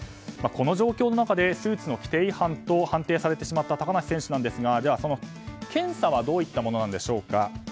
この状況の中でスーツの規定違反と判定されてしまった高梨選手なんですが検査はどういったものでしょうか。